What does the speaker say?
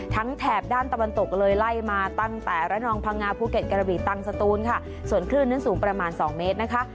แถบด้านตะวันตกเลยไล่มาตั้งแต่ระนองพังงาภูเก็ตกระบีตังสตูนค่ะส่วนคลื่นนั้นสูงประมาณสองเมตรนะคะ